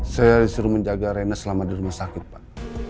saya disuruh menjaga rena selama di rumah sakit pak